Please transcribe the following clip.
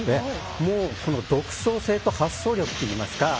独創性と発想力と言いますか。